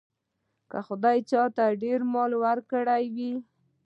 که خدای چاته ډېر مال ورکړی وي.